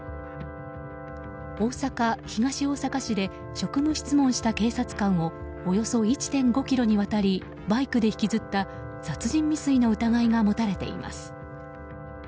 大阪・東大阪市で職務質問した警察官をおよそ１．５ｋｍにわたりバイクで引きずった殺人未遂の疑いが持たれています。